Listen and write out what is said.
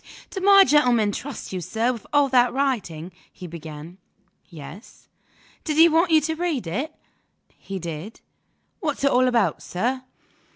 "Did my gentleman trust you, sir, with all that writing?" he began. "Yes." "Did he want you to read it?" "He did." "What's it all about, sir?"